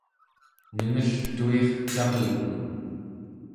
nengeltuircarluku